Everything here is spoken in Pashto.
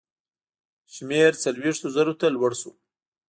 شمېر څلوېښتو زرو ته لوړ شو.